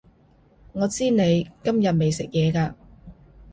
我知你今日未食嘢㗎